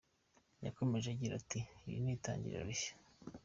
Yakomeje agira ati “ Iri ni itangiriro rishya.